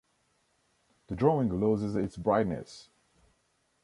The drawing loses its brightness.